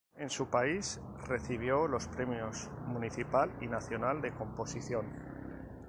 En su país recibió los premios Municipal y Nacional de composición.